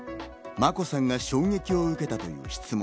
眞子さんが衝撃を受けたという質問。